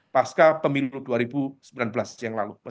pasca pemilu dua ribu sembilan belas yang lalu